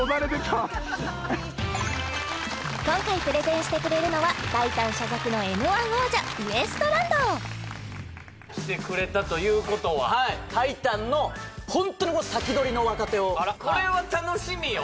今回プレゼンしてくれるのはタイタン所属のＭ−１王者ウエストランドはいタイタンのホントにもうサキドリの若手をこれは楽しみよ！